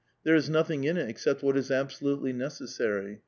there is nothing in it except what is absolutely necessary.